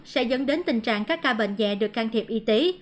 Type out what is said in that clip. sẽ dẫn đến tình trạng các ca bệnh nhẹ được can thiệp y tế